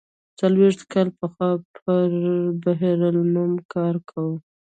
څلوېښت کاله پخوا پر بحر العلوم کار کاوه.